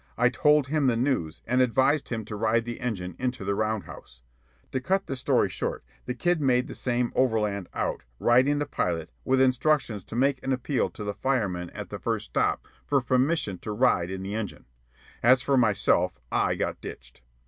I told him the news and advised him to ride the engine into the round house. To cut the story short, the kid made the same overland out, riding the pilot, with instructions to make an appeal to the fireman at the first stop for permission to ride in the engine. As for myself, I got ditched.